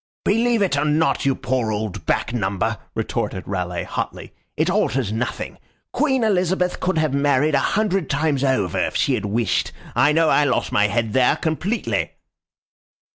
"Believe it or not, you poor old back number," retorted Raleigh, hotly. "It alters nothing. Queen Elizabeth could have married a hundred times over if she had wished. I know I lost my head there completely."